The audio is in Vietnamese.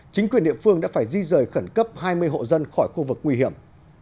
chính quyền địa phương đã phải di rời khẩn cấp hai mươi hộ dân khỏi khu vực nguy hiểm